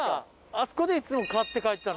あそこでいっつも買って帰ってたのよ。